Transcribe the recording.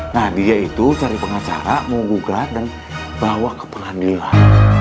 nah dia itu cari pengacara mau bugar dan bawa ke pengadilan